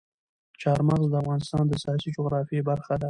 چار مغز د افغانستان د سیاسي جغرافیه برخه ده.